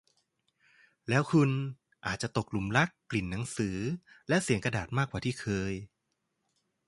แล้วคุณอาจต้องตกหลุมรักกลิ่นหนังสือและเสียงกระดาษมากกว่าที่เคย